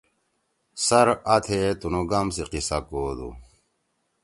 سر آ تھیے تُنُو گام سی قصہ کوادُو۔